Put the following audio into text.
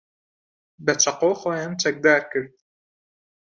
بە چەقۆ خۆیان چەکدار کرد.